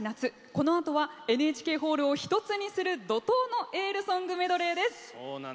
このあとはＮＨＫホールを一つにする怒とうのエールソングメドレーです。